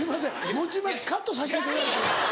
餅まきカットさせていただいて。